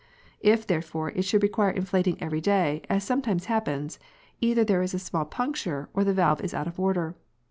If, therefore, it should require inflating every day, as sometimes happens, either there is a small puncture, or the valve is out of order.